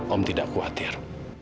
om tidak khawatir